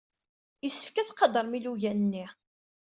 Yessefk ad tqadrem ilugan-nni.